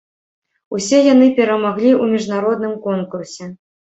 Усе яны перамаглі ў міжнародным конкурсе.